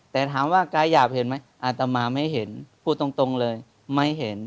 แต่ถามว่ากายอยากเห็นไหมอาตมาไม่เห็นพูดตรงเลยไม่เห็น